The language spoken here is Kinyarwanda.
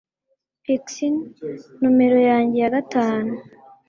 Pixie numero yanjye ya gatanu